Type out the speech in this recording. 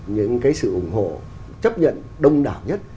những cái sự ủng hộ chấp nhận đông đảo nhất